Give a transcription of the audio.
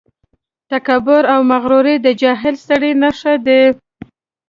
تکبر او مغروري د جاهل سړي نښې دي.